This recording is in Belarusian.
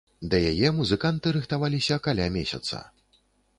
Да яе музыканты рыхтаваліся каля месяца.